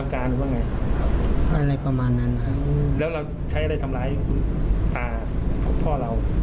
ใครเราใช้อะไรทำลายคุณป่าพ่อเรา